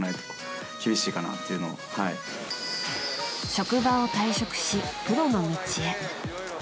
職場を退職し、プロの道へ。